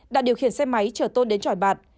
đạt điều khiển xe máy chở tôn đến tròi bạt